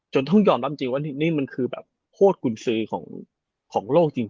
จนต้องยอมตามจริงว่านี่มันคือโคตรกูลซื้อของโลกจริง